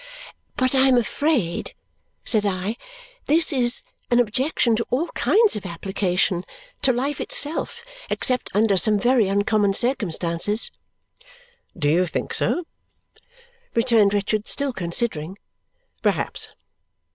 "But I am afraid," said I, "this is an objection to all kinds of application to life itself, except under some very uncommon circumstances." "Do you think so?" returned Richard, still considering. "Perhaps!